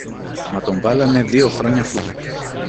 μα τον βάλανε δυο χρόνια φυλακή.